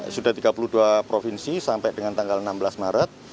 sudah tiga puluh dua provinsi sampai dengan tanggal enam belas maret